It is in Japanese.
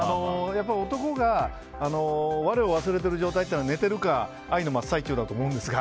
男が我を忘れている状態は寝ているか愛の真っ最中だと思うんですが。